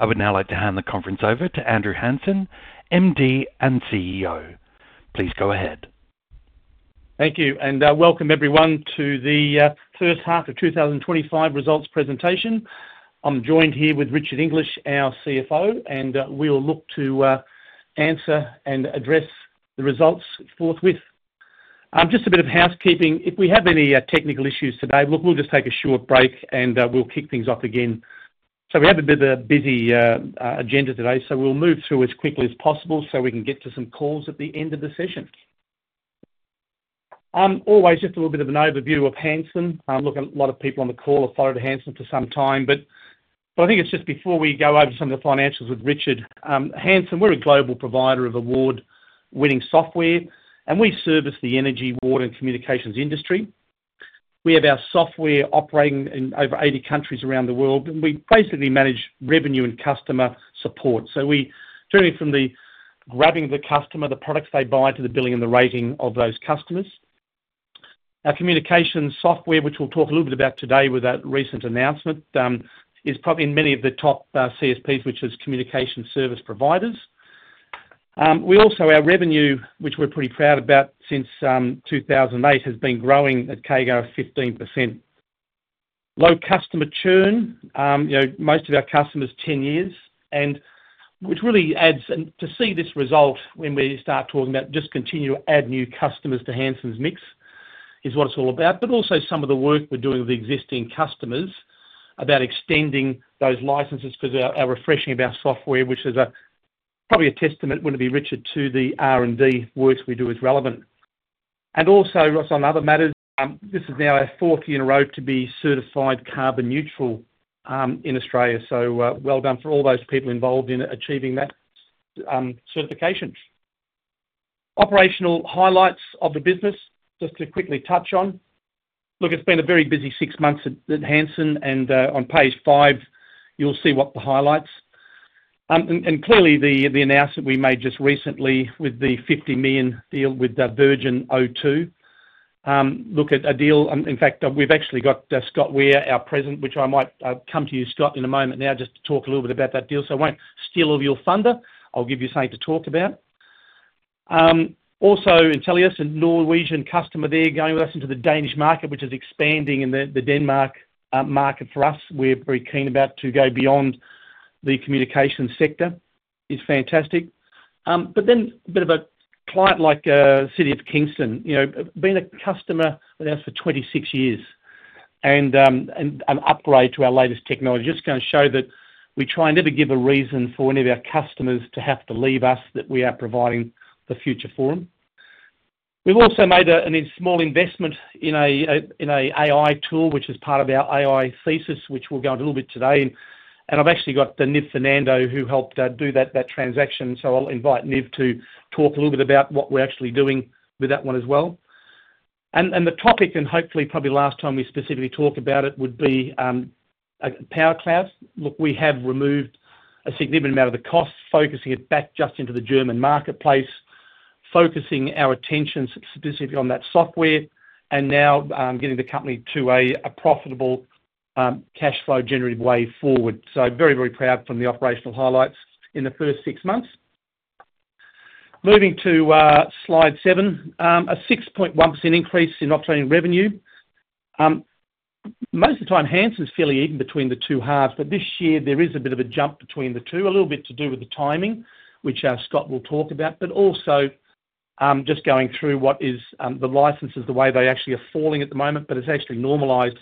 I would now like to hand the conference over to Andrew Hansen, MD and CEO. Please go ahead. Thank you, and welcome everyone to the first half of 2025 results presentation. I'm joined here with Richard English, our CFO, and we'll look to answer and address the results forthwith. Just a bit of housekeeping: if we have any technical issues today, we'll just take a short break and we'll kick things off again. So we have a bit of a busy agenda today, so we'll move through as quickly as possible so we can get to some calls at the end of the session. Always just a little bit of an overview of Hansen. I'm looking at a lot of people on the call who have followed Hansen for some time, but I think it's just before we go over some of the financials with Richard. Hansen, we're a global provider of award-winning software, and we service the energy, water, and communications industry. We have our software operating in over 80 countries around the world, and we basically manage revenue and customer support. So we do anything from the grabbing of the customer, the products they buy, to the billing and the rating of those customers. Our communications software, which we'll talk a little bit about today with that recent announcement, is probably in many of the top CSPs, which is communication service providers. We also, our revenue, which we're pretty proud about since 2008, has been growing at a CAGR of 15%. Low customer churn. Most of our customers are 10 years, and which really adds to see this result when we start talking about just continuing to add new customers to Hansen's mix is what it's all about. But also some of the work we're doing with existing customers about extending those licenses because our refreshing of our software, which is probably a testament, wouldn't it be, Richard, to the R&D work we do is relevant. Also, on other matters, this is now our fourth year in a row to be certified carbon neutral in Australia, so well done for all those people involved in achieving that certification. Operational highlights of the business, just to quickly touch on. Look, it's been a very busy six months at Hansen, and on page five, you'll see what the highlights. Clearly, the announcement we made just recently with the $50 million deal with Virgin O2. Look, a deal in fact, we've actually got Scott Weir, our President, which I might come to you, Scott, in a moment now just to talk a little bit about that deal so I won't steal all your thunder. I'll give you something to talk about. Also, Entelios, it's a Norwegian customer there going with us into the Danish market, which is expanding in the Denmark market for us. We're very keen about to go beyond the communications sector. It's fantastic. But then a bit of a client like City of Kingston. Been a customer with us for 26 years and an upgrade to our latest technology. Just going to show that we try and never give a reason for any of our customers to have to leave us, that we are providing the future for them. We've also made a small investment in an AI tool, which is part of our AI thesis, which we'll go into a little bit today. And I've actually got Niv Fernando, who helped do that transaction, so I'll invite Niv to talk a little bit about what we're actually doing with that one as well. And the topic, and hopefully probably last time we specifically talk about it, would be Powercloud. Look, we have removed a significant amount of the cost, focusing it back just into the German marketplace, focusing our attention specifically on that software, and now getting the company to a profitable cash flow generative way forward. Very, very proud of the operational highlights in the first six months. Moving to slide seven, a 6.1% increase in operating revenue. Most of the time, Hansen's fairly even between the two halves, but this year there is a bit of a jump between the two, a little bit to do with the timing, which Scott will talk about, but also just going through what is the licenses, the way they actually are falling at the moment, but it's actually normalized.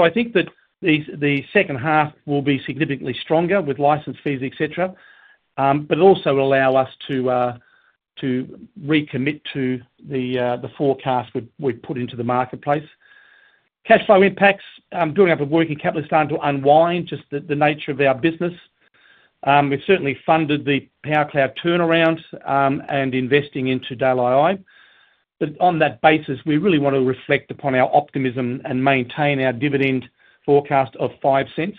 I think that the second half will be significantly stronger with license fees, etc., but also will allow us to recommit to the forecast we put into the marketplace. Cash flow impacts, doing a bit of working capital is starting to unwind just the nature of our business. We've certainly funded the Powercloud turnaround and investing into Dial AI, but on that basis, we really want to reflect upon our optimism and maintain our dividend forecast of 0.05.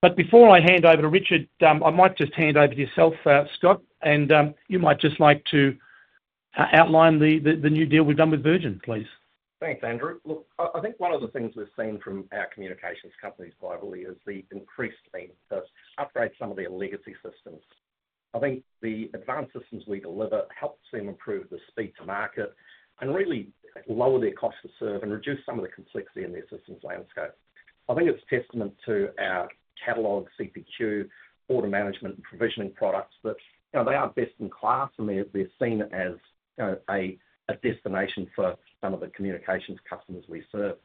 But before I hand over to Richard, I might just hand over to yourself, Scott, and you might just like to outline the new deal we've done with Virgin, please. Thanks, Andrew. Look, I think one of the things we've seen from our communications companies globally is the increased need to upgrade some of their legacy systems. I think the advanced systems we deliver help them improve the speed to market and really lower their cost of serve and reduce some of the complexity in their systems landscape. I think it's a testament to our catalog, CPQ, order management, and provisioning products that they are best in class, and they're seen as a destination for some of the communications customers we serve.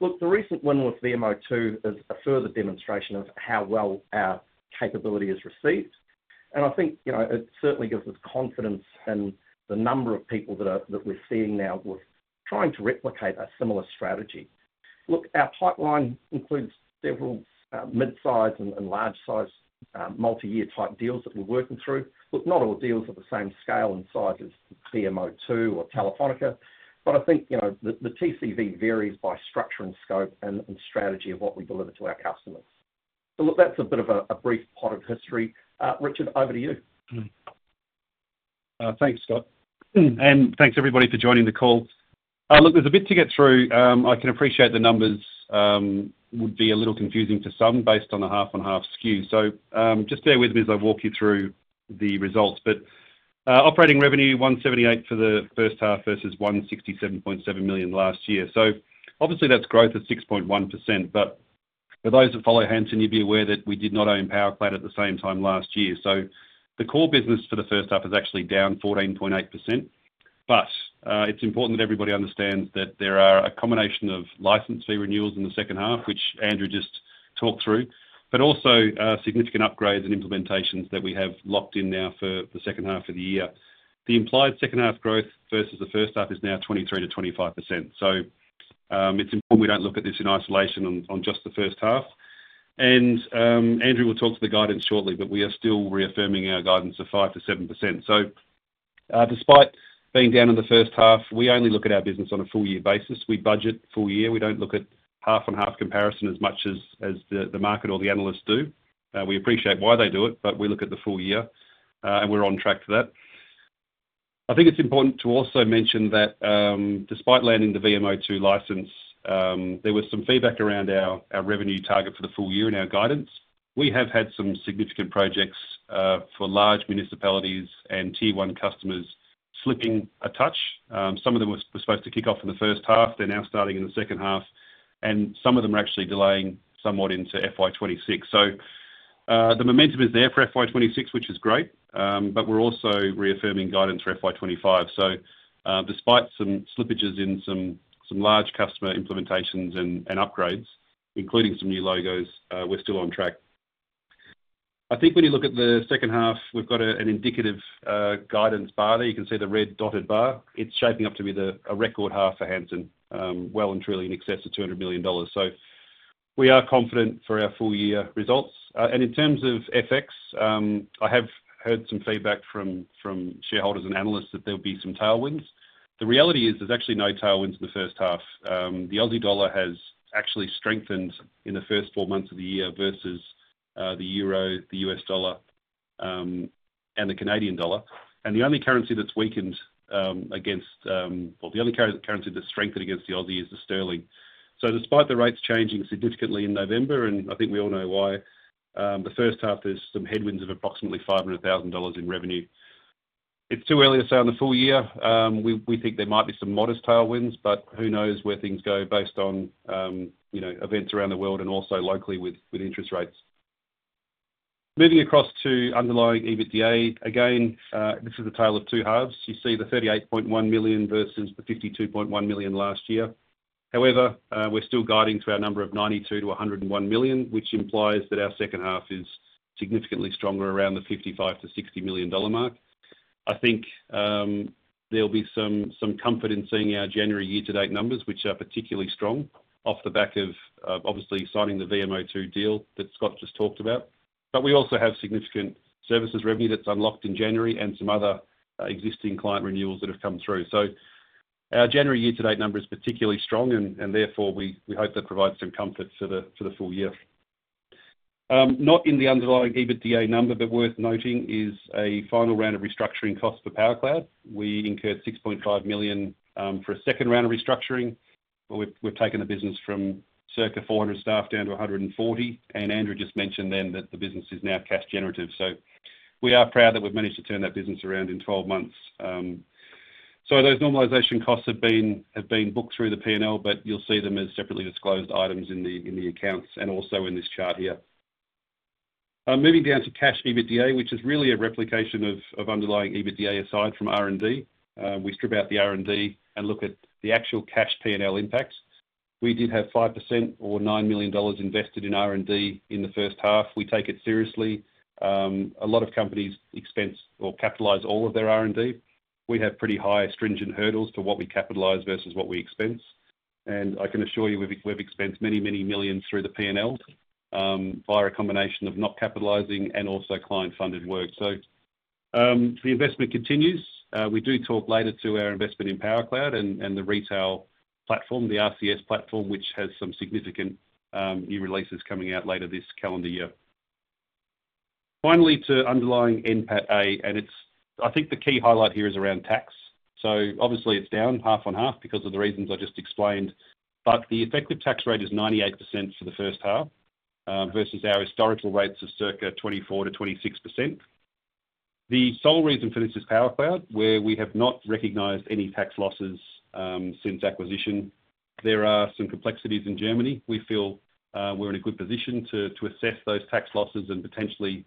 Look, the recent win with VMO2 is a further demonstration of how well our capability is received, and I think it certainly gives us confidence in the number of people that we're seeing now with trying to replicate a similar strategy. Look, our pipeline includes several mid-size and large-size multi-year type deals that we're working through. Look, not all deals are the same scale and size as VMO2 or Telefónica, but I think the TCV varies by structure and scope and strategy of what we deliver to our customers. So look, that's a bit of a brief potted history. Richard, over to you. Thanks, Scott, and thanks everybody for joining the call. Look, there's a bit to get through. I can appreciate the numbers would be a little confusing to some based on a half-and-half skew, so just bear with me as I walk you through the results. Operating revenue, 178 million for the first half versus 167.7 million last year. Obviously, that's growth of 6.1%, but for those that follow Hansen, you'd be aware that we did not own Powercloud at the same time last year. The core business for the first half is actually down 14.8%, but it's important that everybody understands that there are a combination of license fee renewals in the second half, which Andrew just talked through, but also significant upgrades and implementations that we have locked in now for the second half of the year. The implied second half growth versus the first half is now 23%-25%, so it's important we don't look at this in isolation on just the first half, and Andrew will talk to the guidance shortly, but we are still reaffirming our guidance of 5%-7%, so despite being down in the first half, we only look at our business on a full-year basis. We budget full-year. We don't look at half-and-half comparison as much as the market or the analysts do. We appreciate why they do it, but we look at the full-year, and we're on track for that. I think it's important to also mention that despite landing the VMO2 license, there was some feedback around our revenue target for the full-year in our guidance. We have had some significant projects for large municipalities and Tier 1 customers slipping a touch. Some of them were supposed to kick off in the first half. They're now starting in the second half, and some of them are actually delaying somewhat into FY26. So the momentum is there for FY26, which is great, but we're also reaffirming guidance for FY25. So despite some slippages in some large customer implementations and upgrades, including some new logos, we're still on track. I think when you look at the second half, we've got an indicative guidance bar there. You can see the red dotted bar. It's shaping up to be a record half for Hansen, well and truly in excess of 200 million dollars. So we are confident for our full-year results. And in terms of FX, I have heard some feedback from shareholders and analysts that there'll be some tailwinds. The reality is there's actually no tailwinds in the first half. The Aussie dollar has actually strengthened in the first four months of the year versus the euro, the U.S. dollar, and the Canadian dollar. The only currency that's weakened against, well, the only currency that's strengthened against the Aussie is the sterling. Despite the rates changing significantly in November, and I think we all know why, the first half, there's some headwinds of approximately 500,000 dollars in revenue. It's too early to say on the full year. We think there might be some modest tailwinds, but who knows where things go based on events around the world and also locally with interest rates. Moving across to underlying EBITDA, again, this is the tale of two halves. You see the 38.1 million versus the 52.1 million last year. However, we're still guiding to our number of $92 million-$101 million, which implies that our second half is significantly stronger around the $55 million-$60 million dollar mark. I think there'll be some comfort in seeing our January year-to-date numbers, which are particularly strong off the back of obviously signing the VMO2 deal that Scott just talked about, but we also have significant services revenue that's unlocked in January and some other existing client renewals that have come through, so our January year-to-date number is particularly strong, and therefore we hope that provides some comfort for the full year. Not in the underlying EBITDA number, but worth noting is a final round of restructuring costs for Powercloud. We incurred $6.5 million for a second round of restructuring, but we've taken the business from circa 400 staff down to 140. Andrew just mentioned then that the business is now cash generative. We are proud that we've managed to turn that business around in 12 months. Those normalization costs have been booked through the P&L, but you'll see them as separately disclosed items in the accounts and also in this chart here. Moving down to cash EBITDA, which is really a replication of underlying EBITDA aside from R&D. We strip out the R&D and look at the actual cash P&L impact. We did have 5% or 9 million dollars invested in R&D in the first half. We take it seriously. A lot of companies expense or capitalize all of their R&D. We have pretty high stringent hurdles for what we capitalize versus what we expense. I can assure you we've expensed many, many millions through the P&L via a combination of not capitalizing and also client-funded work. So the investment continues. We do talk later to our investment in Powercloud and the retail platform, the RCS platform, which has some significant new releases coming out later this calendar year. Finally, to underlying NPATA, and I think the key highlight here is around tax. So obviously, it's down half-and-half because of the reasons I just explained, but the effective tax rate is 98% for the first half versus our historical rates of circa 24%-26%. The sole reason for this is Powercloud, where we have not recognized any tax losses since acquisition. There are some complexities in Germany. We feel we're in a good position to assess those tax losses and potentially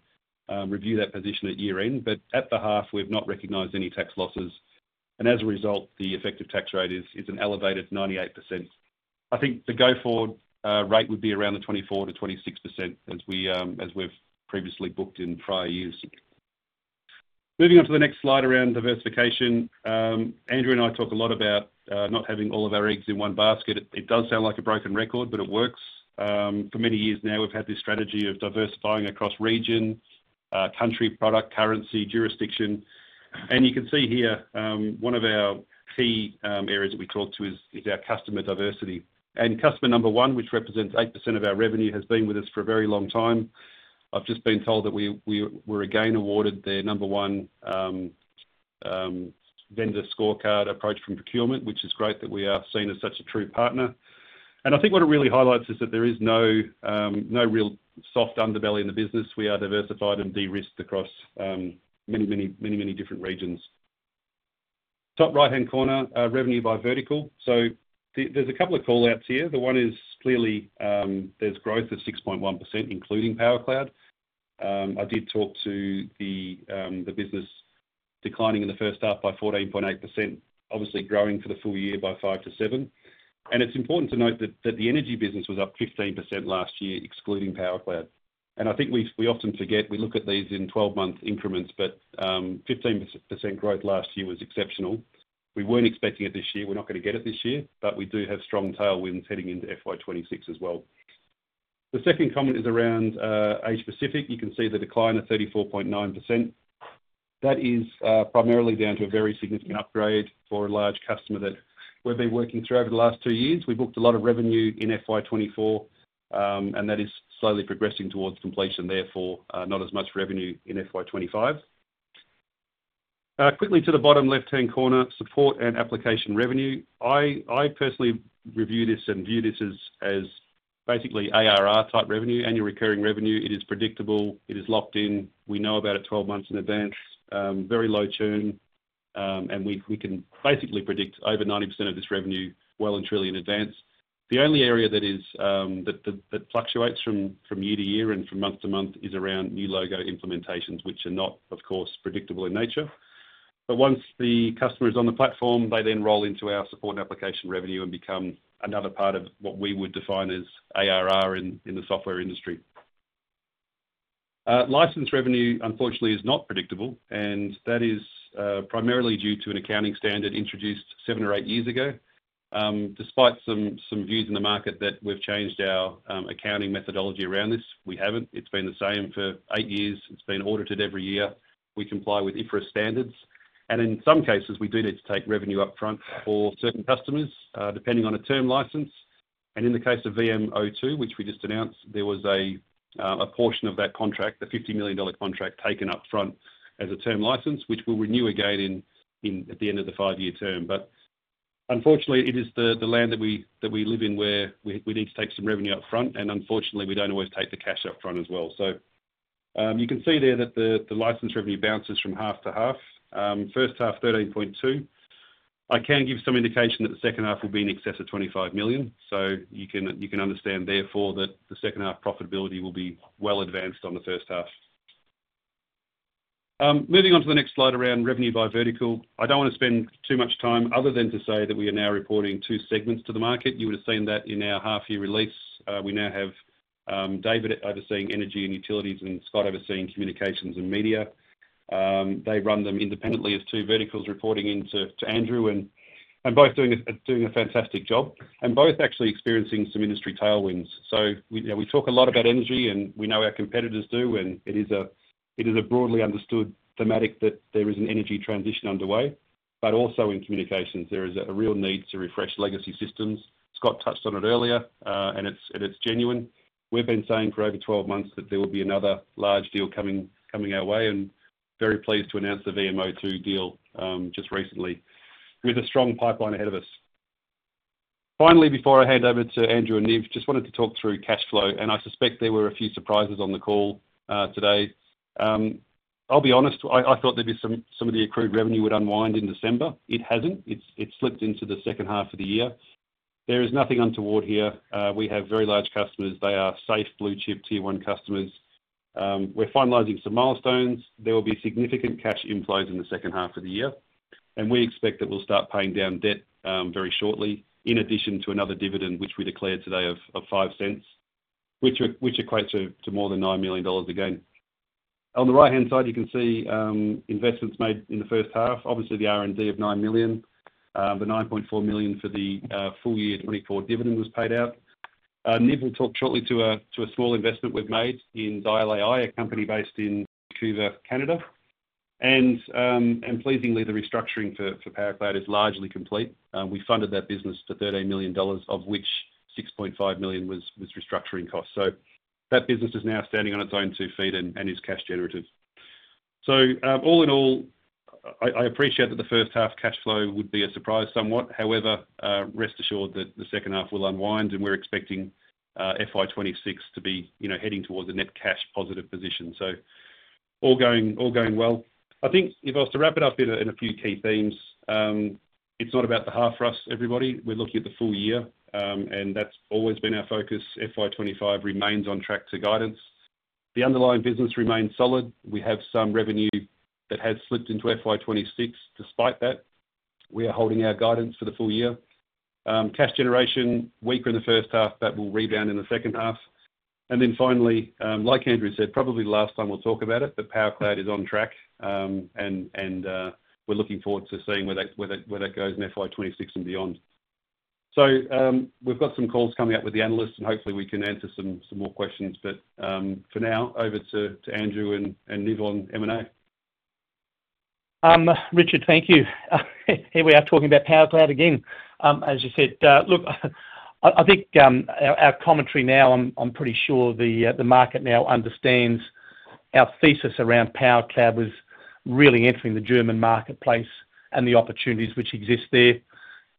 review that position at year-end, but at the half, we've not recognized any tax losses. And as a result, the effective tax rate is an elevated 98%. I think the go-forward rate would be around the 24%-26% as we've previously booked in prior years. Moving on to the next slide around diversification. Andrew and I talk a lot about not having all of our eggs in one basket. It does sound like a broken record, but it works. For many years now, we've had this strategy of diversifying across region, country, product, currency, jurisdiction. And you can see here one of our key areas that we talk to is our customer diversity. And customer number one, which represents 8% of our revenue, has been with us for a very long time. I've just been told that we were again awarded the number one vendor scorecard approach from procurement, which is great that we are seen as such a true partner. I think what it really highlights is that there is no real soft underbelly in the business. We are diversified and de-risked across many, many, many, many different regions. Top right-hand corner, revenue by vertical. So there's a couple of callouts here. The one is clearly there's growth of 6.1%, including Powercloud. I did talk to the business declining in the first half by 14.8%, obviously growing for the full year by 5%-7%. And it's important to note that the energy business was up 15% last year, excluding Powercloud. And I think we often forget, we look at these in 12-month increments, but 15% growth last year was exceptional. We weren't expecting it this year. We're not going to get it this year, but we do have strong tailwinds heading into FY26 as well. The second comment is around Asia-Pacific. You can see the decline of 34.9%. That is primarily down to a very significant upgrade for a large customer that we've been working through over the last two years. We booked a lot of revenue in FY24, and that is slowly progressing towards completion, therefore not as much revenue in FY25. Quickly to the bottom left-hand corner, support and application revenue. I personally review this and view this as basically ARR type revenue, annual recurring revenue. It is predictable. It is locked in. We know about it 12 months in advance. Very low churn, and we can basically predict over 90% of this revenue well and truly in advance. The only area that fluctuates from year to year and from month to month is around new logo implementations, which are not, of course, predictable in nature. Once the customer is on the platform, they then roll into our support and application revenue and become another part of what we would define as ARR in the software industry. License revenue, unfortunately, is not predictable, and that is primarily due to an accounting standard introduced seven or eight years ago. Despite some views in the market that we've changed our accounting methodology around this, we haven't. It's been the same for eight years. It's been audited every year. We comply with IFRS standards. In some cases, we do need to take revenue upfront for certain customers, depending on a term license. In the case of VMO2, which we just announced, there was a portion of that contract, the $50 million contract, taken upfront as a term license, which will renew again at the end of the five-year term. But unfortunately, it is the land that we live in where we need to take some revenue upfront, and unfortunately, we don't always take the cash upfront as well. So you can see there that the license revenue bounces from half to half. First half, 13.2. I can give some indication that the second half will be in excess of 25 million. So you can understand, therefore, that the second half profitability will be well advanced on the first half. Moving on to the next slide around revenue by vertical. I don't want to spend too much time other than to say that we are now reporting two segments to the market. You would have seen that in our half-year release. We now have David overseeing energy and utilities and Scott overseeing communications and media. They run them independently as two verticals reporting in to Andrew and both doing a fantastic job and both actually experiencing some industry tailwinds. So we talk a lot about energy, and we know our competitors do, and it is a broadly understood thematic that there is an energy transition underway, but also in communications, there is a real need to refresh legacy systems. Scott touched on it earlier, and it's genuine. We've been saying for over 12 months that there will be another large deal coming our way, and very pleased to announce the VMO2 deal just recently with a strong pipeline ahead of us. Finally, before I hand over to Andrew and Niv, just wanted to talk through cash flow, and I suspect there were a few surprises on the call today. I'll be honest, I thought there'd be some of the accrued revenue would unwind in December. It hasn't. It's slipped into the second half of the year. There is nothing untoward here. We have very large customers. They are safe, blue-chip Tier 1 customers. We're finalizing some milestones. There will be significant cash inflows in the second half of the year, and we expect that we'll start paying down debt very shortly in addition to another dividend, which we declared today of 0.05, which equates to more than 9 million dollars again. On the right-hand side, you can see investments made in the first half. Obviously, the R&D of 9 million, the 9.4 million for the full-year 2024 dividend was paid out. Niv will talk shortly to a small investment we've made in Dial AI, a company based in Vancouver, Canada. Pleasingly, the restructuring for Powercloud is largely complete. We funded that business for 13 million dollars, of which 6.5 million was restructuring costs. So that business is now standing on its own two feet and is cash generative. So all in all, I appreciate that the first half cash flow would be a surprise somewhat. However, rest assured that the second half will unwind, and we're expecting FY26 to be heading towards a net cash positive position. So all going well. I think if I was to wrap it up in a few key themes, it's not about the half for us, everybody. We're looking at the full year, and that's always been our focus. FY25 remains on track to guidance. The underlying business remains solid. We have some revenue that has slipped into FY26. Despite that, we are holding our guidance for the full year. Cash generation weaker in the first half, but will rebound in the second half. And then finally, like Andrew said, probably the last time we'll talk about it, but Powercloud is on track, and we're looking forward to seeing where that goes in FY26 and beyond. So we've got some calls coming up with the analysts, and hopefully, we can answer some more questions. But for now, over to Andrew and Niv on M&A. Richard, thank you. Here we are talking about Powercloud again. As you said, look, I think our commentary now. I'm pretty sure the market now understands our thesis around Powercloud was really entering the German marketplace and the opportunities which exist there.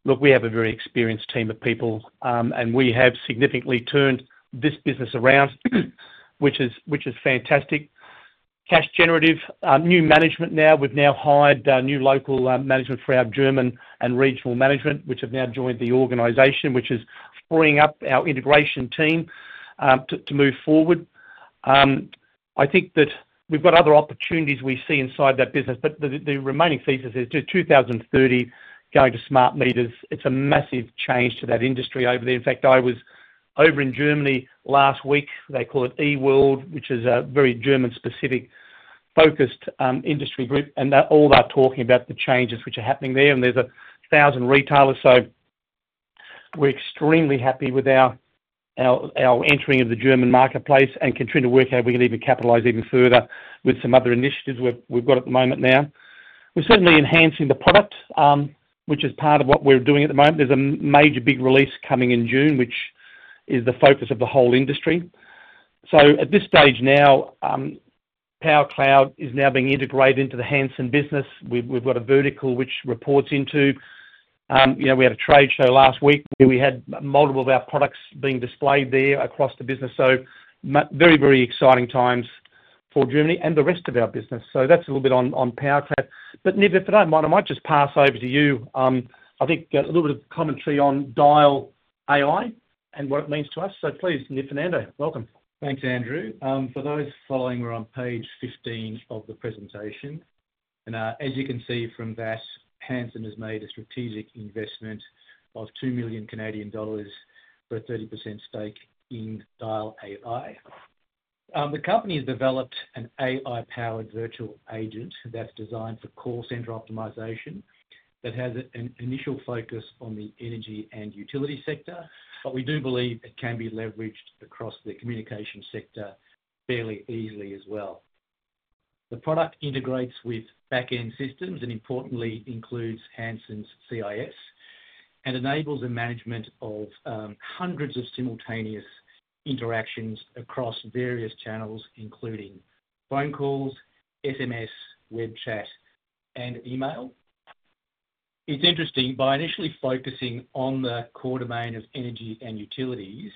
Look, we have a very experienced team of people, and we have significantly turned this business around, which is fantastic. Cash generative. New management now. We've now hired new local management for our German and regional management, which have now joined the organization, which is freeing up our integration team to move forward. I think that we've got other opportunities we see inside that business, but the remaining thesis is 2030 going to smart meters. It's a massive change to that industry over there. In fact, I was over in Germany last week. They call it E-World, which is a very German-specific focused industry group, and all they're talking about the changes which are happening there, and there's 1,000 retailers. So we're extremely happy with our entering of the German marketplace and continuing to work how we can even capitalize even further with some other initiatives we've got at the moment now. We're certainly enhancing the product, which is part of what we're doing at the moment. There's a major big release coming in June, which is the focus of the whole industry. So at this stage now, Powercloud is now being integrated into the Hansen business. We've got a vertical which reports into. We had a trade show last week where we had multiple of our products being displayed there across the business. So very, very exciting times for Germany and the rest of our business. So that's a little bit on Powercloud. But Niv, if I don't mind, I might just pass over to you. I think a little bit of commentary on Dial AI and what it means to us. So please, Niv Fernando, welcome. Thanks, Andrew. For those following, we're on page 15 of the presentation. And as you can see from that, Hansen has made a strategic investment of 2 million Canadian dollars for a 30% stake in Dial AI. The company has developed an AI-powered virtual agent that's designed for call center optimization that has an initial focus on the energy and utility sector, but we do believe it can be leveraged across the communication sector fairly easily as well. The product integrates with back-end systems and, importantly, includes Hansen's CIS and enables the management of hundreds of simultaneous interactions across various channels, including phone calls, SMS, web chat, and email. It's interesting. By initially focusing on the core domain of energy and utilities,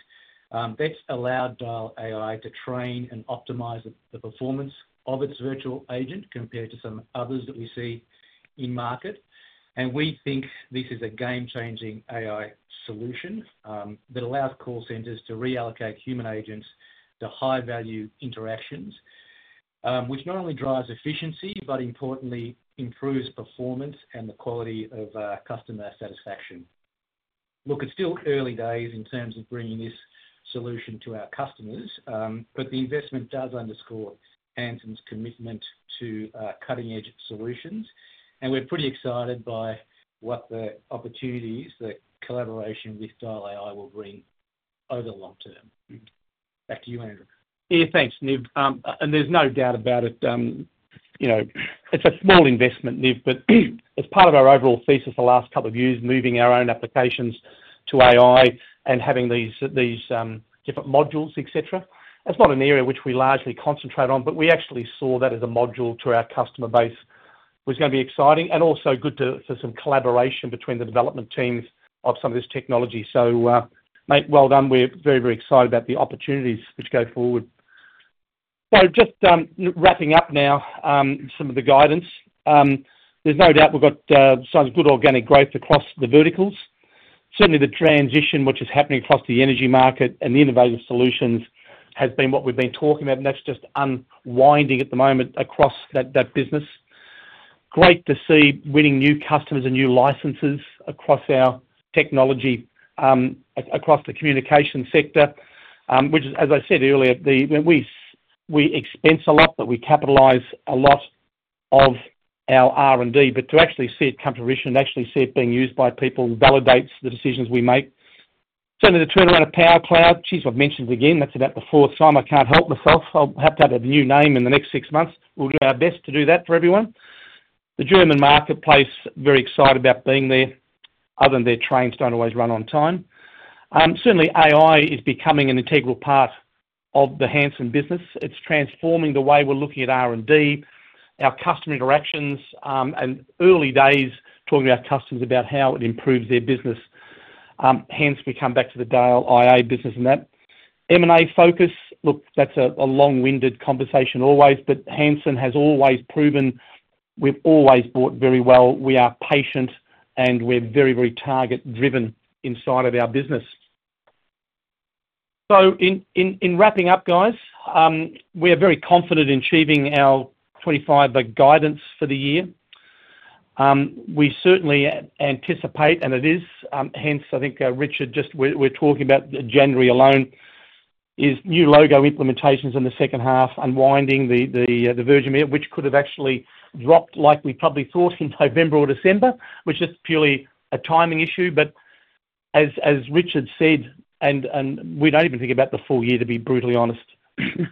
that's allowed Dial AI to train and optimize the performance of its virtual agent compared to some others that we see in market. And we think this is a game-changing AI solution that allows call centers to reallocate human agents to high-value interactions, which not only drives efficiency, but importantly, improves performance and the quality of customer satisfaction. Look, it's still early days in terms of bringing this solution to our customers, but the investment does underscore Hansen's commitment to cutting-edge solutions. We're pretty excited by what the opportunities, the collaboration with Dial AI will bring over the long term. Back to you, Andrew. Yeah, thanks, Niv. There's no doubt about it. It's a small investment, Niv, but as part of our overall thesis the last couple of years, moving our own applications to AI and having these different modules, etc., that's not an area which we largely concentrate on, but we actually saw that as a module to our customer base was going to be exciting and also good for some collaboration between the development teams of some of this technology. So well done. We're very, very excited about the opportunities which go forward. Just wrapping up now some of the guidance. There's no doubt we've got some good organic growth across the verticals. Certainly, the transition which is happening across the energy market and the innovative solutions has been what we've been talking about, and that's just unwinding at the moment across that business. Great to see winning new customers and new licenses across our technology, across the communication sector, which, as I said earlier, we expense a lot, but we capitalize a lot of our R&D. But to actually see it come to fruition and actually see it being used by people validates the decisions we make. Certainly, the turnaround of Powercloud, geez, I've mentioned it again. That's about the fourth time. I can't help myself. I'll have to have a new name in the next six months. We'll do our best to do that for everyone. The German marketplace, very excited about being there. Other than their trains don't always run on time. Certainly, AI is becoming an integral part of the Hansen business. It's transforming the way we're looking at R&D, our customer interactions, and early days talking to our customers about how it improves their business. Hence, we come back to the Dial AI business and that. M&A focus, look, that's a long-winded conversation always, but Hansen has always proven. We've always bought very well. We are patient, and we're very, very target-driven inside of our business. So in wrapping up, guys, we are very confident in achieving our 2025 guidance for the year. We certainly anticipate, and it is. Hence, I think Richard, just we're talking about January alone, is new logo implementations in the second half, unwinding the Virgin Media, which could have actually dropped like we probably thought in November or December, which is purely a timing issue. But as Richard said and we don't even think about the full year, to be brutally honest.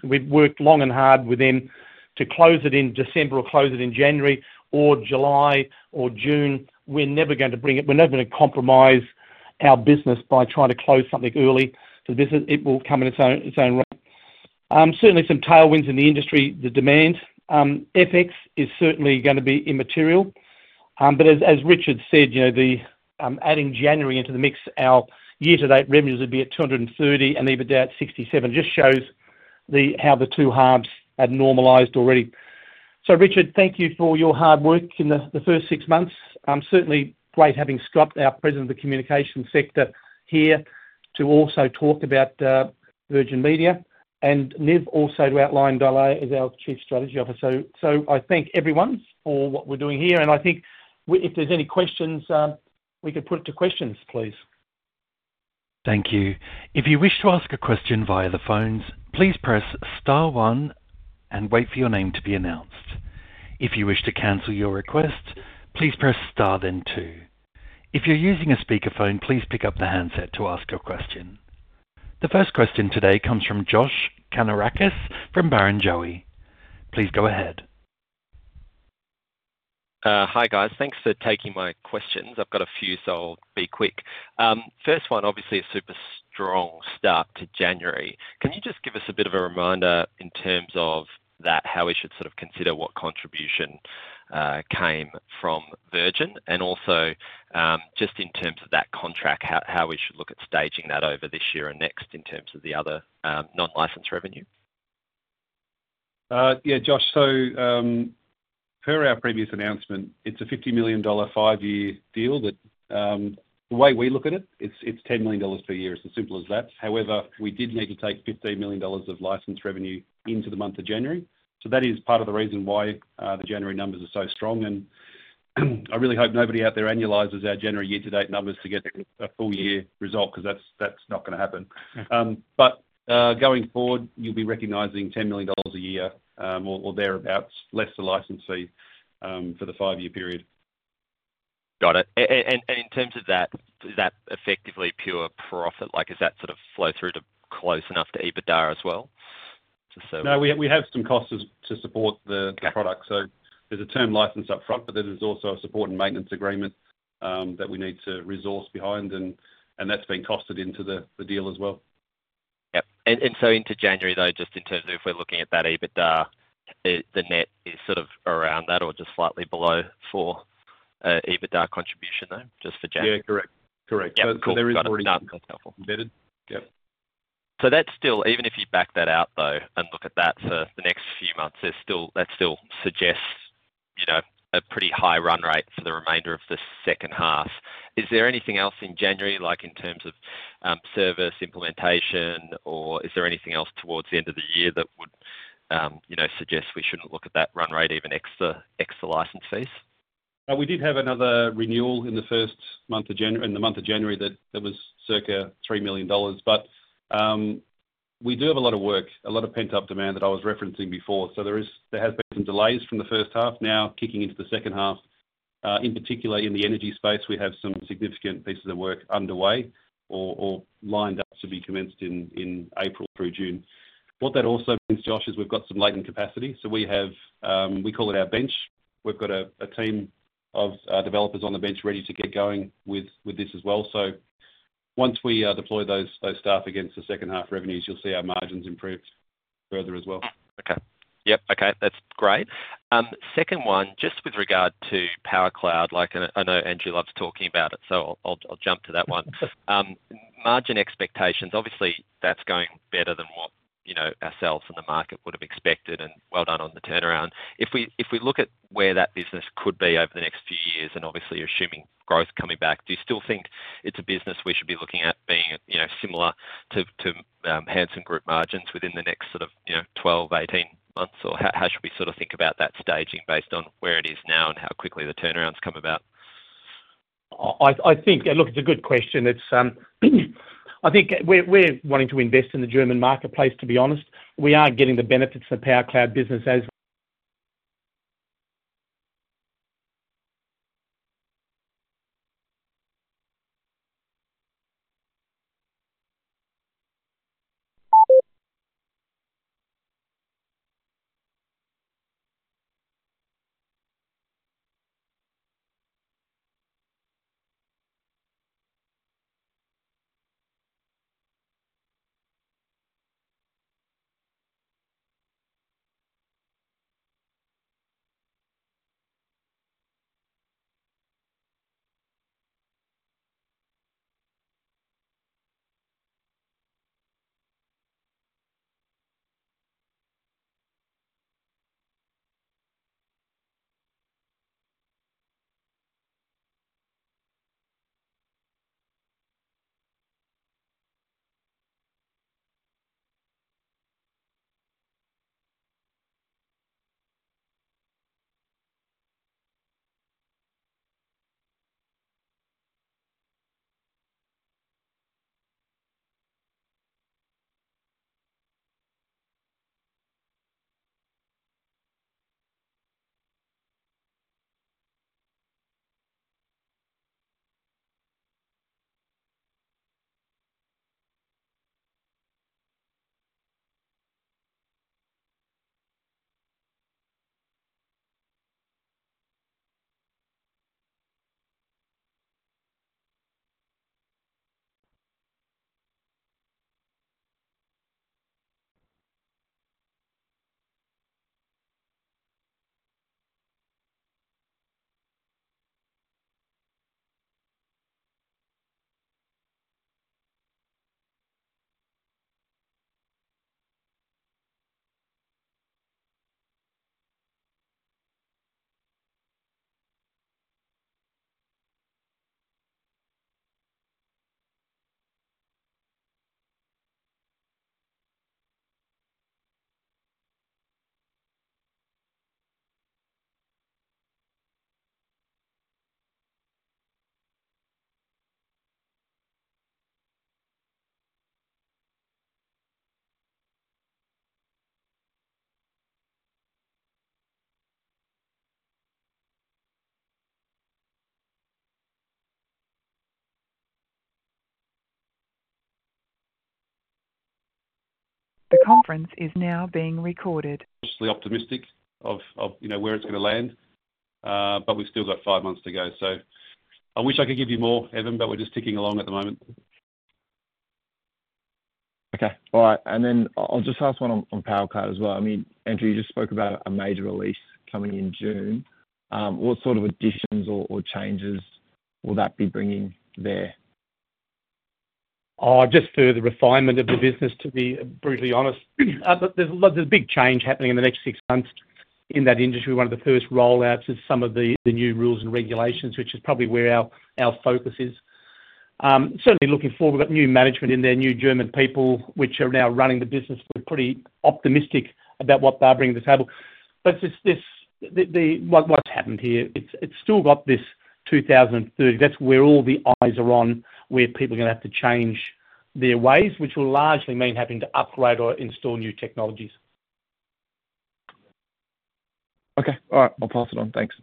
We've worked long and hard with them to close it in December or close it in January or July or June. We're never going to bring it. We're never going to compromise our business by trying to close something early. It will come in its own run. Certainly, some tailwinds in the industry, the demand. FX is certainly going to be immaterial. But as Richard said, adding January into the mix, our year-to-date revenues would be at 230 and even down at 67. It just shows how the two halves had normalized already. So Richard, thank you for your hard work in the first six months. Certainly, great having Scott, our President of the Communications sector, here to also talk about Virgin Media and Niv also to outline Dial AI as our Chief Strategy Officer. So I thank everyone for what we're doing here. And I think if there's any questions, we could put it to questions, please. Thank you. If you wish to ask a question via the phones, please press Star 1 and wait for your name to be announced. If you wish to cancel your request, please press Star then 2. If you're using a speakerphone, please pick up the handset to ask your question. The first question today comes from Josh Kannourakis from Barrenjoey. Please go ahead. Hi guys. Thanks for taking my questions. I've got a few, so I'll be quick. First one, obviously, a super strong start to January. Can you just give us a bit of a reminder in terms of that, how we should sort of consider what contribution came from Virgin and also just in terms of that contract, how we should look at staging that over this year and next in terms of the other non-license revenue? Yeah, Josh, so per our previous announcement, it's a 50 million dollar five-year deal. The way we look at it, it's 10 million dollars per year. It's as simple as that. However, we did need to take 15 million dollars of license revenue into the month of January. So that is part of the reason why the January numbers are so strong, and I really hope nobody out there annualizes our January year-to-date numbers to get a full-year result because that's not going to happen. But going forward, you'll be recognizing 10 million dollars a year or thereabouts, less the license fee for the five-year period. Got it. And in terms of that, is that effectively pure profit? Is that sort of flow-through close enough to EBITDA as well? No, we have some costs to support the product. So there's a term license upfront, but there's also a support and maintenance agreement that we need to resource behind, and that's been costed into the deal as well. Yep. And so into January, though, just in terms of if we're looking at that EBITDA, the net is sort of around that or just slightly below for EBITDA contribution though, just for January. Yeah, correct. Correct. There is already embedded. Yep. So that's still, even if you back that out though and look at that for the next few months, that still suggests a pretty high run rate for the remainder of the second half. Is there anything else in January in terms of service implementation, or is there anything else towards the end of the year that would suggest we shouldn't look at that run rate even extra license fees? We did have another renewal in the first month of January, in the month of January, that was circa 3 million dollars. But we do have a lot of work, a lot of pent-up demand that I was referencing before. So there has been some delays from the first half now kicking into the second half. In particular, in the energy space, we have some significant pieces of work underway or lined up to be commenced in April through June. What that also means, Josh, is we've got some latent capacity. So we call it our bench. We've got a team of developers on the bench ready to get going with this as well. So once we deploy those staff against the second half revenues, you'll see our margins improve further as well. Okay. Yep. Okay. That's great. Second one, just with regard to Powercloud, I know Andrew loves talking about it, so I'll jump to that one. Margin expectations, obviously, that's going better than what ourselves and the market would have expected, and well done on the turnaround. If we look at where that business could be over the next few years, and obviously assuming growth coming back, do you still think it's a business we should be looking at being similar to Hansen Group margins within the next sort of 12-18 months? Or how should we sort of think about that staging based on where it is now and how quickly the turnarounds come about? I think, look, it's a good question. I think we're wanting to invest in the German marketplace, to be honest. We are getting the benefits of the Powercloud business as. The conference is now being recorded. Relatively optimistic of where it's going to land, but we've still got five months to go. So I wish I could give you more, Evan, but we're just ticking along at the moment. Okay. All right. And then I'll just ask one on Powercloud as well. I mean, Andrew, you just spoke about a major release coming in June. What sort of additions or changes will that be bringing there? Just the refinement of the business, to be brutally honest. There's a big change happening in the next six months in that industry. One of the first rollouts is some of the new rules and regulations, which is probably where our focus is. Certainly, looking forward, we've got new management in there, new German people, which are now running the business. We're pretty optimistic about what they're bringing to the table. But what's happened here, it's still got this 2030. That's where all the eyes are on, where people are going to have to change their ways, which will largely mean having to upgrade or install new technologies. Okay. All right. I'll pass it on. Thanks.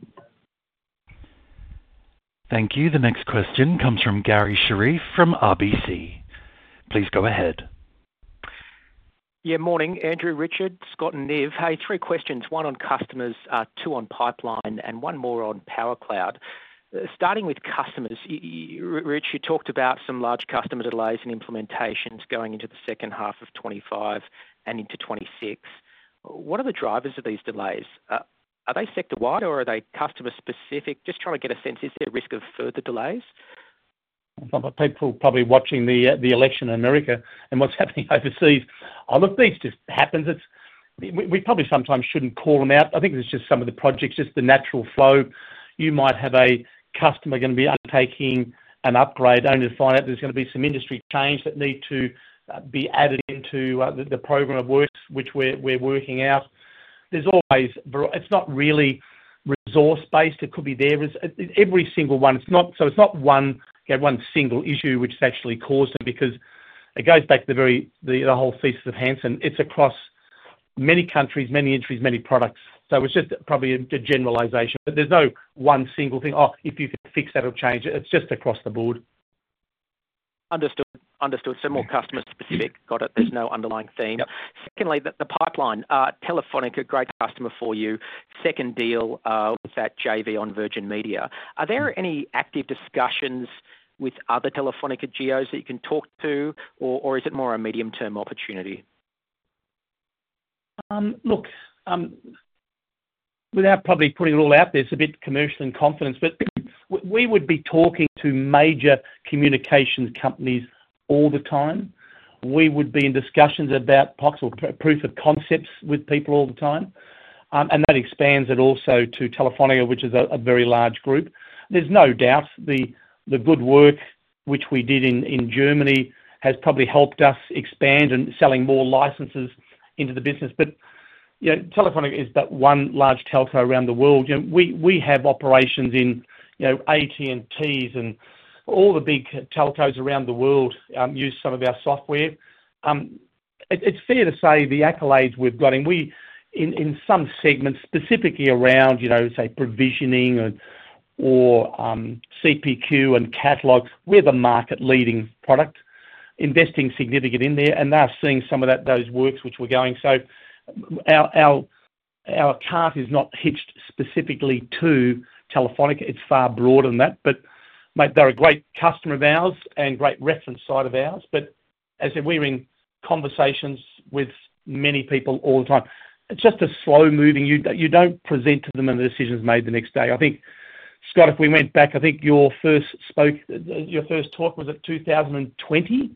Thank you. The next question comes from Garry Sherriff from RBC. Please go ahead. Yeah. Morning, Andrew. Richard, Scott, and Niv. Hey, three questions. One on customers, two on pipeline, and one more on Powercloud. Starting with customers, Rich, you talked about some large customer delays and implementations going into the second half of 2025 and into 2026. What are the drivers of these delays? Are they sector-wide or are they customer-specific? Just trying to get a sense. Is there a risk of further delays? People probably watching the election in America and what's happening overseas. I look, these just happen. We probably sometimes shouldn't call them out. I think it's just some of the projects, just the natural flow. You might have a customer going to be undertaking an upgrade only to find out there's going to be some industry change that need to be added into the program of work which we're working out. It's not really resource-based. It could be there. Every single one, so it's not one single issue which has actually caused it because it goes back to the whole thesis of Hansen. It's across many countries, many industries, many products. So it's just probably a generalization. But there's no one single thing, "Oh, if you could fix that, it'll change." It's just across the board. Understood. Understood. So more customer-specific. Got it. There's no underlying theme. Secondly, the pipeline. Telefónica, great customer for you. Second deal with that JV on Virgin Media. Are there any active discussions with other Telefónica Geos that you can talk to, or is it more a medium-term opportunity? Look, without probably putting it all out there, it's a bit commercial and confidence, but we would be talking to major communications companies all the time. We would be in discussions about proof of concepts with people all the time. That expands it also to Telefónica, which is a very large group. There's no doubt the good work which we did in Germany has probably helped us expand and selling more licenses into the business. But Telefónica is that one large telco around the world. We have operations in AT&T's and all the big telcos around the world use some of our software. It's fair to say the accolades we've gotten, in some segments, specifically around, say, provisioning or CPQ and catalogs, we're the market-leading product, investing significant in there. And they're seeing some of those works which we're going. So our cart is not hitched specifically to Telefónica. It's far broader than that. But they're a great customer of ours and great reference site of ours. But as I said, we're in conversations with many people all the time. It's just a slow-moving. You don't present to them, and the decision's made the next day. I think, Scott, if we went back, I think your first talk was at 2020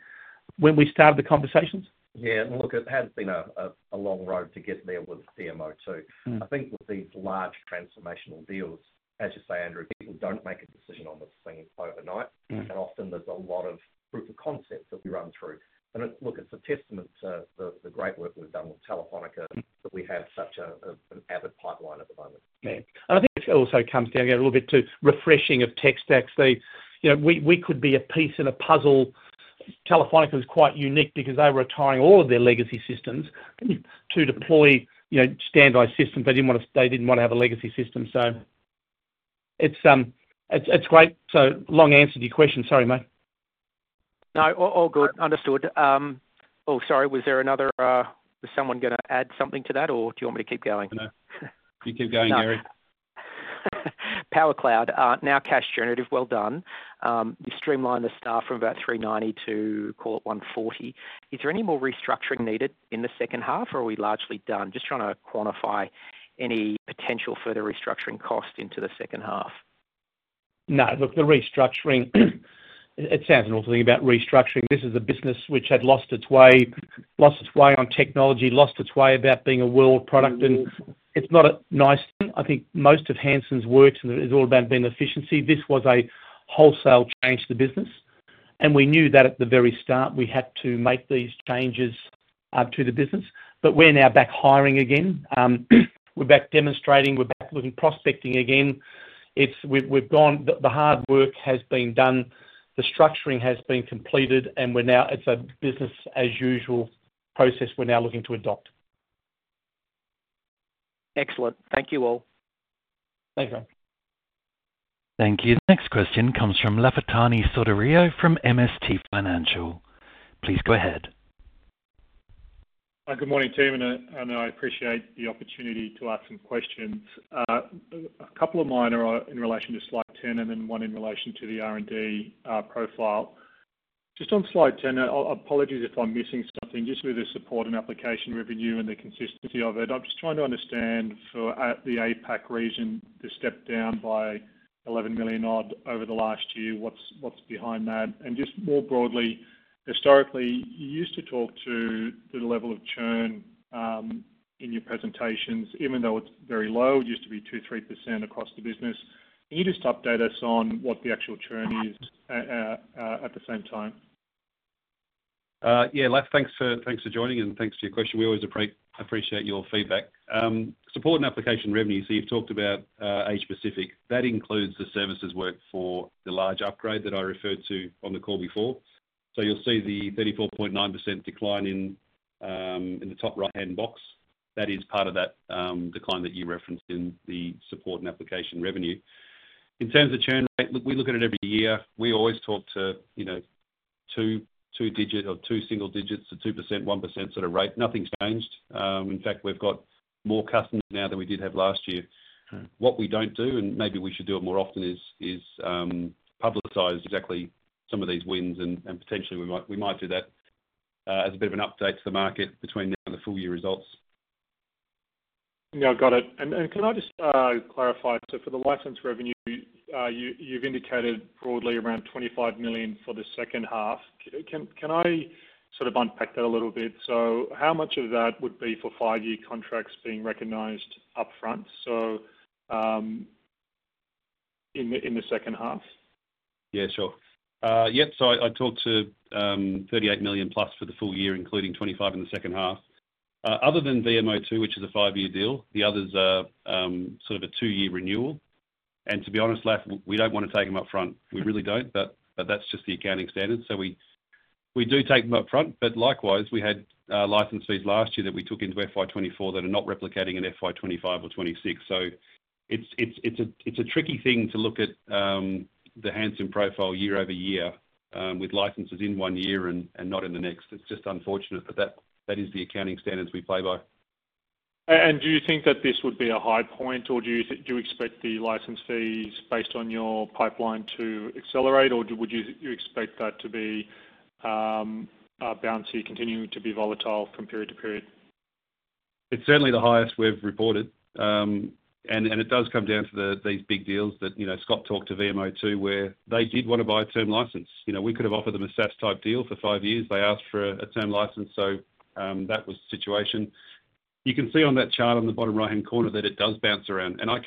when we started the conversations. Yeah. Look, it has been a long road to get there with VMO2. I think with these large transformational deals, as you say, Andrew, people don't make a decision on this thing overnight. Often there's a lot of proof of concepts that we run through. Look, it's a testament to the great work we've done with Telefónica that we have such an active pipeline at the moment. I think it also comes down a little bit to refreshing of tech stacks. We could be a piece in a puzzle. Telefónica was quite unique because they were retiring all of their legacy systems to deploy standalone systems. They didn't want to have a legacy system. So it's great. So long answer to your question. Sorry, mate. No, all good. Understood. Oh, sorry. Was there another? Was someone going to add something to that, or do you want me to keep going? No. You keep going, Garry. Powercloud, now cash generative. Well done. You streamlined the staff from about 390 to, call it, 140. Is there any more restructuring needed in the second half, or are we largely done? Just trying to quantify any potential further restructuring cost into the second half. No. Look, the restructuring, it sounds awful to me about restructuring. This is a business which had lost its way, lost its way on technology, lost its way about being a world product, and it's not a nice thing. I think most of Hansen's work is all about being efficiency. This was a wholesale change to the business. And we knew that at the very start, we had to make these changes to the business. But we're now back hiring again. We're back demonstrating. We're back looking, prospecting again. The hard work has been done. The structuring has been completed. And it's a business-as-usual process we're now looking to adopt. Excellent. Thank you all. Thanks, man. Thank you. The next question comes from Lafitani Sotiriou from MST Financial. Please go ahead. Good morning, Tim. And I appreciate the opportunity to ask some questions. A couple of mine are in relation to slide 10 and then one in relation to the R&D profile. Just on slide 10, apologies if I'm missing something, just with the support and application revenue and the consistency of it. I'm just trying to understand for the APAC region, the step down by 11 million odd over the last year, what's behind that? And just more broadly, historically, you used to talk to the level of churn in your presentations, even though it's very low, used to be 2-3% across the business. Can you just update us on what the actual churn is at the same time? Yeah. Thanks for joining, and thanks for your question. We always appreciate your feedback. Support and application revenue, so you've talked about APAC-specific. That includes the services work for the large upgrade that I referred to on the call before. So you'll see the 34.9% decline in the top right-hand box. That is part of that decline that you referenced in the support and application revenue. In terms of churn rate, we look at it every year. We always talk to two digits or two single digits, the 2%, 1% sort of rate. Nothing's changed. In fact, we've got more customers now than we did have last year. What we don't do, and maybe we should do it more often, is publicize exactly some of these wins. And potentially, we might do that as a bit of an update to the market between now and the full-year results. Yeah. I got it. And can I just clarify? So for the license revenue, you've indicated broadly around 25 million for the second half. Can I sort of unpack that a little bit? So how much of that would be for five-year contracts being recognized upfront in the second half? Yeah. Sure. Yeah. So I talked to 38 million plus for the full year, including 25 million in the second half. Other than VMO2, which is a five-year deal, the others are sort of a two-year renewal, and to be honest, Laf, we don't want to take them upfront. We really don't, but that's just the accounting standard, so we do take them upfront, but likewise, we had license fees last year that we took into FY24 that are not replicating in FY25 or 2026. So it's a tricky thing to look at the Hansen profile year over year with licenses in one year and not in the next. It's just unfortunate, but that is the accounting standards we play by, and do you think that this would be a high point, or do you expect the license fees, based on your pipeline, to accelerate, or would you expect that to be a bouncy continuing to be volatile from period to period? It's certainly the highest we've reported. It does come down to these big deals that Scott talked to VMO2, where they did want to buy a term license. We could have offered them a SaaS-type deal for five years. They asked for a term license. So that was the situation. You can see on that chart on the bottom right-hand corner that it does bounce around. I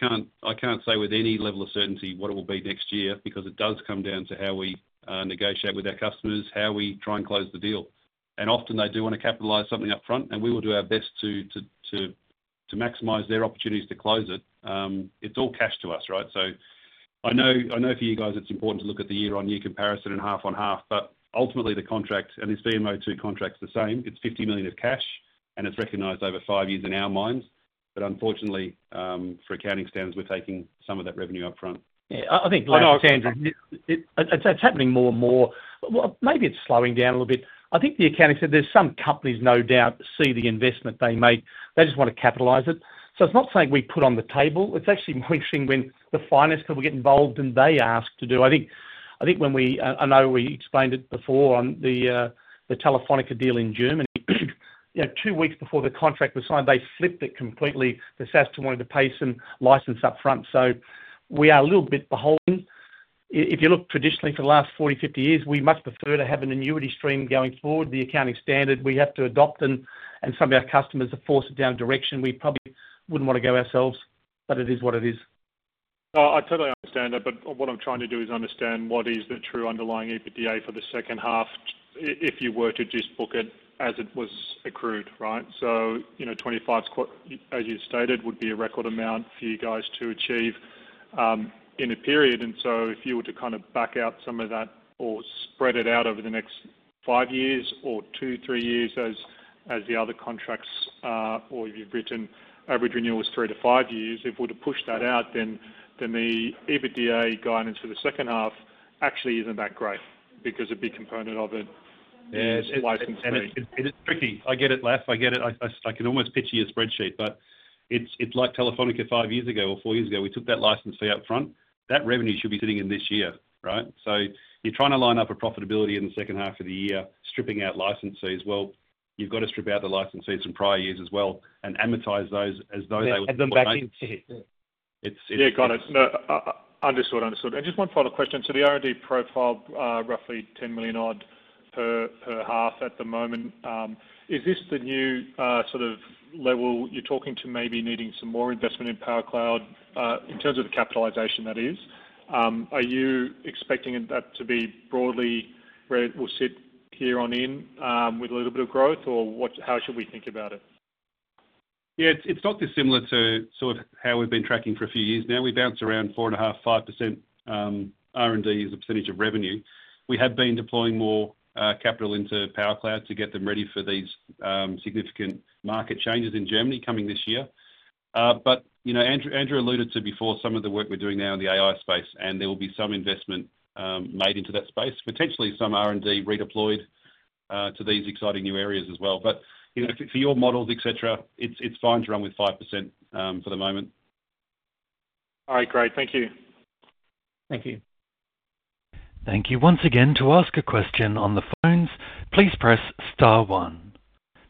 can't say with any level of certainty what it will be next year because it does come down to how we negotiate with our customers, how we try and close the deal. Often, they do want to capitalize something upfront. We will do our best to maximize their opportunities to close it. It's all cash to us, right? I know for you guys, it's important to look at the year-on-year comparison and half-on-half. But ultimately, the contract, and this VMO2 contract's the same. It's 50 million of cash, and it's recognized over five years in our minds. But unfortunately, for accounting standards, we're taking some of that revenue upfront. Yeah. I think, like Sandra, it's happening more and more. Maybe it's slowing down a little bit. I think the accounting said there's some companies, no doubt, see the investment they make. They just want to capitalize it. So it's not something we put on the table. It's actually more interesting when the finance people get involved and they ask to do. I think when we know we explained it before on the Telefónica deal in Germany. Two weeks before the contract was signed, they flipped it completely. The SaaS team wanted to pay some license upfront. So we are a little bit beholden. If you look traditionally for the last 40, 50 years, we much prefer to have an annuity stream going forward. The accounting standard we have to adopt, and some of our customers have forced it down a direction we probably wouldn't want to go ourselves, but it is what it is. I totally understand that, but what I'm trying to do is understand what is the true underlying EBITDA for the second half if you were to just book it as it was accrued, right, so 25, as you stated, would be a record amount for you guys to achieve in a period. And so if you were to kind of back out some of that or spread it out over the next five years or two, three years as the other contracts or if you've written average renewals three to five years, if we were to push that out, then the EBITDA guidance for the second half actually isn't that great because a big component of it is license fee. Yeah. It's tricky. I get it, Laf. I get it. I can almost pitch you a spreadsheet. But it's like Telefónica five years ago or four years ago. We took that license fee upfront. That revenue should be sitting in this year, right? So you're trying to line up a profitability in the second half of the year, stripping out license fees. You've got to strip out the license fees from prior years as well and amortize those as though they were, and then back into it. Yeah. Got it. Understood. Understood. Just one final question. The R&D profile, roughly 10 million odd per half at the moment. Is this the new sort of level you're talking to maybe needing some more investment in Powercloud? In terms of the capitalization, that is, are you expecting that to be broadly where it will sit year-on-year with a little bit of growth, or how should we think about it? Yeah. It's not dissimilar to sort of how we've been tracking for a few years now. We bounced around 4.5%-5% R&D as a percentage of revenue. We have been deploying more capital into Powercloud to get them ready for these significant market changes in Germany coming this year. But Andrew alluded to before some of the work we're doing now in the AI space, and there will be some investment made into that space, potentially some R&D redeployed to these exciting new areas as well. But for your models, etc., it's fine to run with 5% for the moment. All right. Great. Thank you. Thank you. Thank you. Once again, to ask a question on the phones, please press Star 1.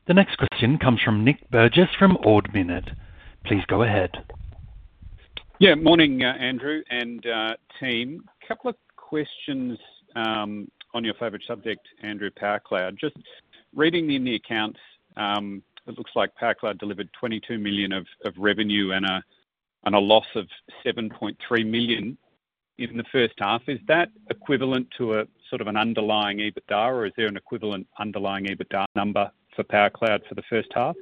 The next question comes from Nick Burgess from Ord Minnett. Please go ahead. Yeah. Morning, Andrew and team. Couple of questions on your favorite subject, Andrew, Powercloud. Just reading in the accounts, it looks like Powercloud delivered 22 million of revenue and a loss of 7.3 million in the first half. Is that equivalent to sort of an underlying EBITDA, or is there an equivalent underlying EBITDA number for Powercloud for the first half?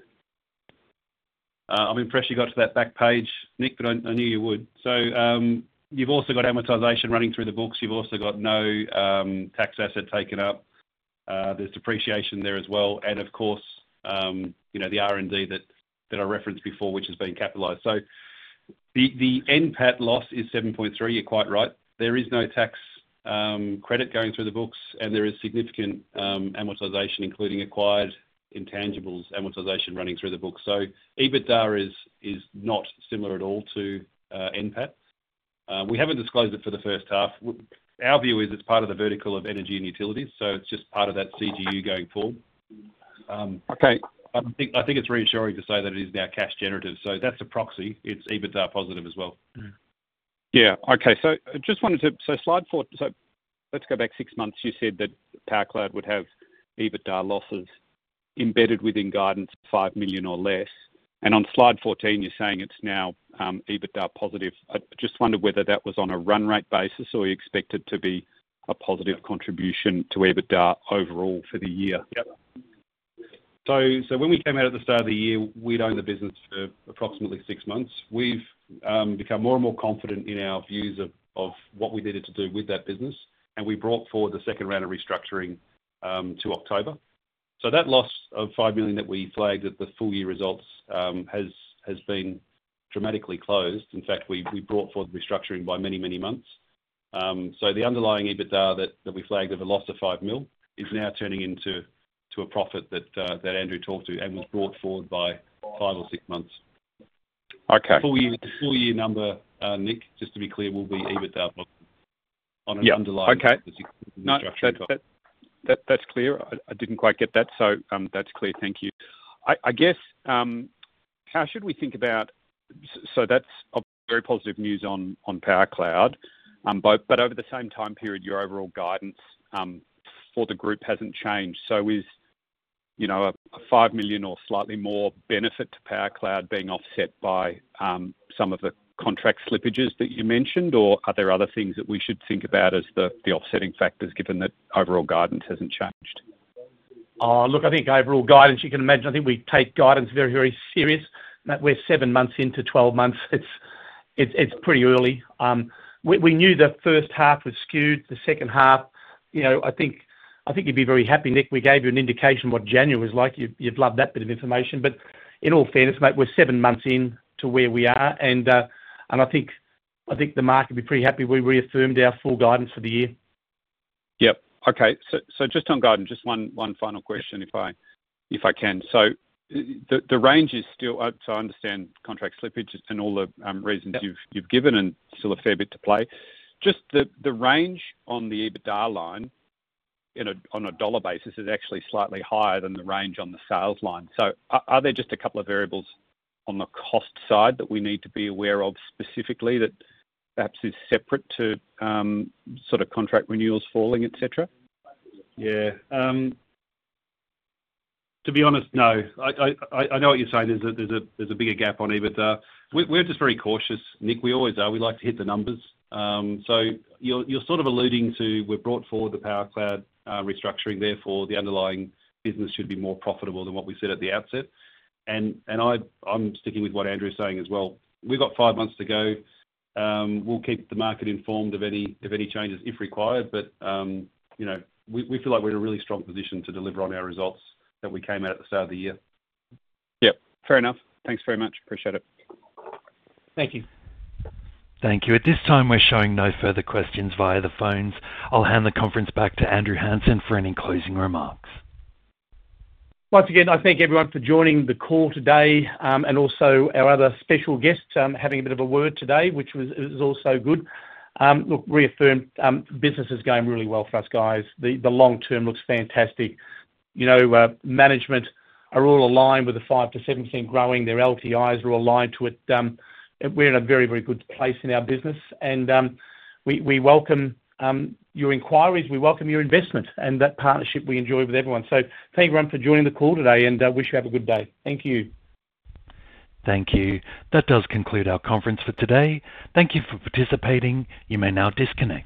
I'm impressed you got to that back page, Nick, but I knew you would, so you've also got amortization running through the books. You've also got no tax asset taken up. There's depreciation there as well, and of course, the R&D that I referenced before, which has been capitalized, so the NPAT loss is 7.3. You're quite right. There is no tax credit going through the books, and there is significant amortization, including acquired intangibles amortization running through the books, so EBITDA is not similar at all to NPAT. We haven't disclosed it for the first half. Our view is it's part of the vertical of energy and utilities, so it's just part of that CGU going forward. I think it's reassuring to say that it is now cash generative, so that's a proxy. It's EBITDA positive as well. Yeah. Okay. So I just wanted to, so slide 14, so let's go back six months. You said that Powercloud would have EBITDA losses embedded within guidance, five million or less. And on slide 14, you're saying it's now EBITDA positive. I just wondered whether that was on a run rate basis or you expect it to be a positive contribution to EBITDA overall for the year. Yep. So when we came out at the start of the year, we'd owned the business for approximately six months. We've become more and more confident in our views of what we needed to do with that business. And we brought forward the second round of restructuring to October. So that loss of five million that we flagged at the full-year results has been dramatically closed. In fact, we brought forward the restructuring by many, many months. So the underlying EBITDA that we flagged of a loss of 5 mil is now turning into a profit that Andrew talked to and was brought forward by five or six months. The full-year number, Nick, just to be clear, will be EBITDA on the underlying restructuring. Yeah. Okay. That's clear. I didn't quite get that. So that's clear. Thank you. I guess how should we think about so that's obviously very positive news on Powercloud. But over the same time period, your overall guidance for the group hasn't changed. So is a 5 million or slightly more benefit to Powercloud being offset by some of the contract slippages that you mentioned, or are there other things that we should think about as the offsetting factors given that overall guidance hasn't changed? Look, I think overall guidance, you can imagine, I think we take guidance very, very serious. We're seven months into 12 months. It's pretty early. We knew the first half was skewed. The second half, I think you'd be very happy, Nick. We gave you an indication of what January was like. You'd love that bit of information. But in all fairness, mate, we're seven months into where we are, and I think the market would be pretty happy we reaffirmed our full guidance for the year. Yep. Okay, so just on guidance, just one final question if I can. So the range is still, so I understand contract slippage and all the reasons you've given and still a fair bit to play. Just the range on the EBITDA line on a dollar basis is actually slightly higher than the range on the sales line. So are there just a couple of variables on the cost side that we need to be aware of specifically that perhaps is separate to sort of contract renewals falling, etc.? Yeah. To be honest, no. I know what you're saying. There's a bigger gap on EBITDA. We're just very cautious, Nick. We always are. We like to hit the numbers. So you're sort of alluding to we brought forward the Powercloud restructuring there for the underlying business should be more profitable than what we said at the outset. And I'm sticking with what Andrew's saying as well. We've got five months to go. We'll keep the market informed of any changes if required. But we feel like we're in a really strong position to deliver on our results that we came out at the start of the year. Yep. Fair enough. Thanks very much. Appreciate it. Thank you. Thank you. At this time, we're showing no further questions via the phones. I'll hand the conference back to Andrew Hansen for any closing remarks. Once again, I thank everyone for joining the call today and also our other special guests having a bit of a word today, which was also good. Look, reaffirm, business is going really well for us, guys. The long term looks fantastic. Management are all aligned with the 5%-7% growing. Their LTIs are all aligned to it. We're in a very, very good place in our business. And we welcome your inquiries. We welcome your investment and that partnership we enjoy with everyone. So thank everyone for joining the call today and wish you have a good day. Thank you. Thank you. That does conclude our conference for today. Thank you for participating. You may now disconnect.